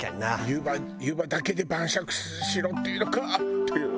湯葉だけで晩酌しろっていうのかっていう。